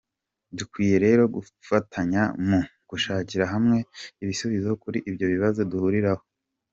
Dukwiye rero gufatanya mu gushakira hamwe ibisubizo kuri ibyo bibazo duhuriraho.